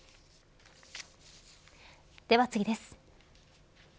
では次です。